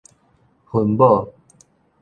分母